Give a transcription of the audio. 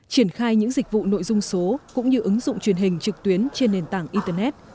triển khai những dịch vụ nội dung số cũng như ứng dụng truyền hình trực tuyến trên nền tảng internet